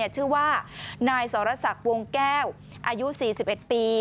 ชื่อว่านายสรษะปวงแก้วอายุ๔๑ปี